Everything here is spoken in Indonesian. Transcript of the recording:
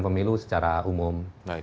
pemilu secara umum